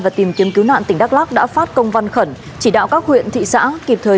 và tìm kiếm cứu nạn tỉnh đắk lắc đã phát công văn khẩn chỉ đạo các huyện thị xã kịp thời